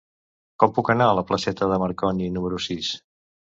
Com puc anar a la placeta de Marconi número sis?